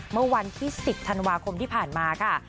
เมื่อวันที่๑๐ธันวาคมที่ผ่านมาค่ะ